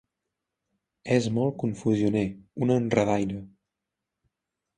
És molt confusioner, un enredaire.